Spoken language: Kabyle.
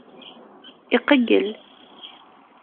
Iqeyyel.